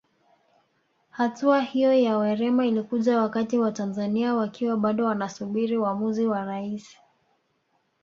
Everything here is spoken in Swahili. Hatua hiyo ya Werema ilikuja wakati Watanzania wakiwa bado wanasubiri uamuzi wa Rais